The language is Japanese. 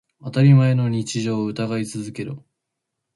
当たり前の日常を疑い続けろ。